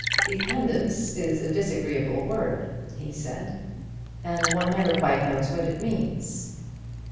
"Dependence is a disagreeable word," he said; "and one never quite knows what it means."